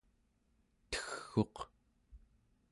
tegg'uq